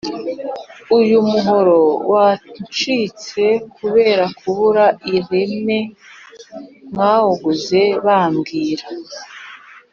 uyu muhoro wacitse kubera kubura ireme mwawuguze mbabwira!